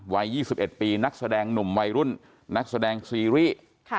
วัย๒๑ปีนักแสดงหนุ่มวัยรุ่นนักแสดงซีรีส์